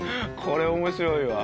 これ面白いわ。